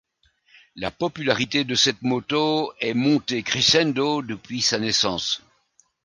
La popularité de cette moto est montée crescendo depuis sa naissance.